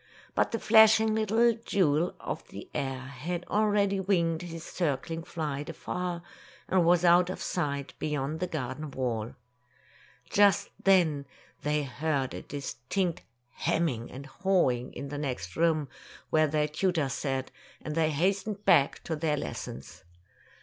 But the flashing little jewel of the air had already winged his circling flight afar, and was out of sight, beyond the garden wall. Just then they heard a distinct hemming 42 Tales of Modern Germany and hawing in the next room, where their tutor sat, and they hastened back to their lessons.